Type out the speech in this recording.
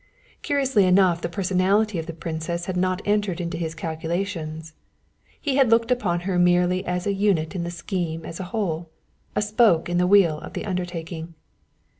Curiously enough the personality of the Princess had not entered into his calculations, he had looked upon her merely as a unit in the scheme as a whole, a spoke in the wheel of the undertaking.